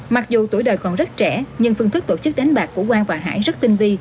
mặc dù tuổi đời còn rất trẻ nhưng phương thức tổ chức đánh bạc của quang và hải rất tinh vi